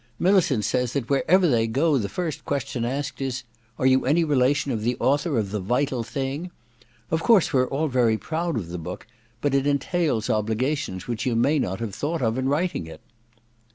Millicent says that wherever they go the first question asked is, ^^ Are you any relation of the author of * The Vital Tmng *?" Of course we're all very proud of the book ; but it entails obligations which you may not have thought of in writing it.'